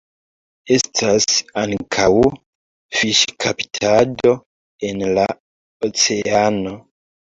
Estas ankaŭ fiŝkaptado en la oceano.